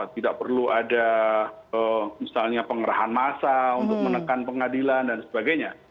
tidak perlu ada misalnya pengerahan massa untuk menekan pengadilan dan sebagainya